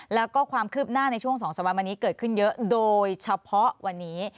แล้วก็ความคืบหน้าในช่วง๒๓วันวันนี้เกิดขึ้นเยอะโดยเฉพาะวันนี้